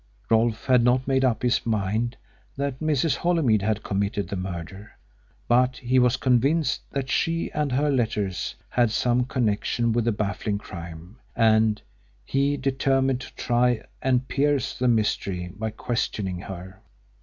Rolfe had not made up his mind that Mrs. Holymead had committed the murder, but he was convinced that she and her letters had some connection with the baffling crime, and he determined to try and pierce the mystery by questioning her.